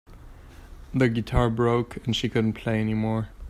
The guitar broke and she couldn't play anymore.